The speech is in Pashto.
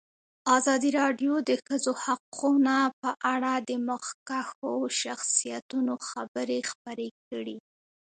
ازادي راډیو د د ښځو حقونه په اړه د مخکښو شخصیتونو خبرې خپرې کړي.